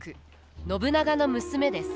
信長の娘です。